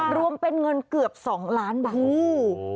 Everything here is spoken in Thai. รวมเป็นเงินเกือบ๒ล้านบาท